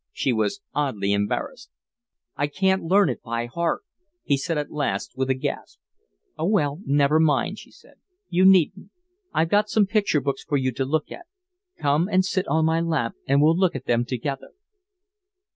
She was oddly embarrassed. "I can't learn it by heart," he said at last, with a gasp. "Oh, well, never mind," she said. "You needn't. I've got some picture books for you to look at. Come and sit on my lap, and we'll look at them together."